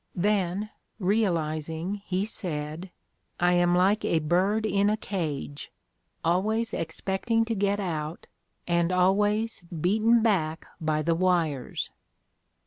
Then, realizing, he said: 'I am like a bird in a cage: always expecting to get out, and always beaten back by the wires.